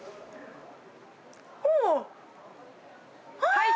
はい！